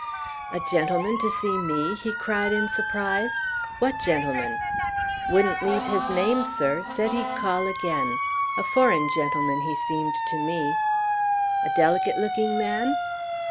"A gentleman to see me?" he cried in surprise. "What gentleman?" "Wouldn't leave his name, sir; said he'd call again; a foreign gentleman, he seemed to me." "A delicate looking man?"